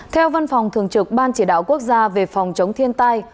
theo văn phòng thường trực ban chỉ đạo quốc gia về phòng chống thiên tai